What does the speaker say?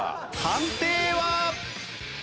判定は。